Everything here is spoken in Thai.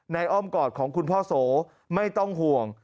อ้อมกอดของคุณพ่อโสไม่ต้องห่วง